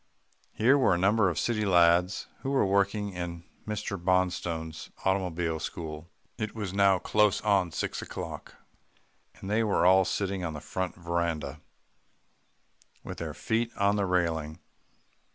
Here were a number of city lads who were working in Mr. Bonstone's automobile school. It was now close on six o'clock, and they were all sitting on the front veranda, with their feet on the railing.